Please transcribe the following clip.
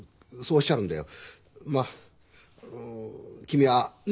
まあ君はねえ？